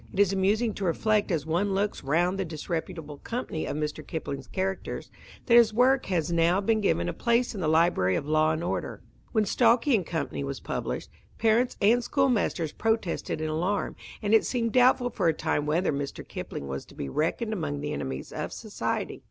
It is amusing to reflect as one looks round the disreputable company of Mr. Kipling's characters, that his work has now been given a place in the library of law and order. When Stalky and Co. was published, parents and schoolmasters protested in alarm, and it seemed doubtful for a time whether Mr. Kipling was to be reckoned among the enemies of society.